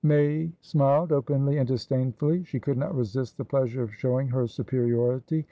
May smiled, openly and disdainfully. She could not resist the pleasure of showing her superiority.